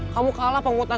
kamu kalah pengumutan suara